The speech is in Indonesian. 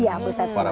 iya pusat pelatihan